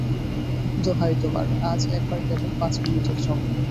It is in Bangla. দোহাই তোমার, আজ একবার কেবল পাঁচ মিনিটের জন্যে।